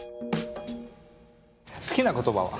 好きな言葉は？